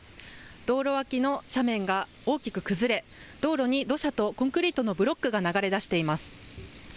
道路脇の斜面が大きく崩れ道路に土砂とコンクリートのブロックが流れ出しています。